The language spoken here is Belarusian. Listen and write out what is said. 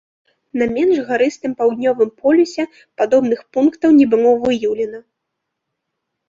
На менш гарыстым паўднёвым полюсе падобных пунктаў не было выяўлена.